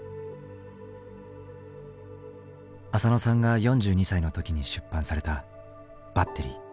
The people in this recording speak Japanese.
あさのさんが４２歳の時に出版された「バッテリー」。